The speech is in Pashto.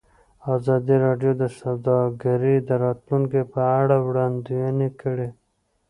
ازادي راډیو د سوداګري د راتلونکې په اړه وړاندوینې کړې.